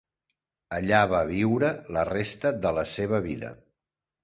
Allà va viure la resta de la seva vida.